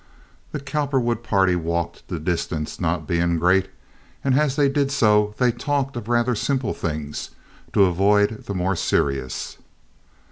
The Cowperwood party walked, the distance not being great, and as they did so they talked of rather simple things to avoid the more serious.